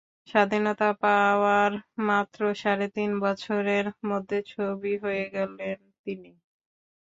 স্বাধীনতা পাওয়ার মাত্র সাড়ে তিন বছরের মধ্যে ছবি হয়ে গেলেন তিনি।